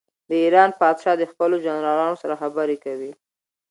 د ایران پاچا د خپلو جنرالانو سره خبرې کوي.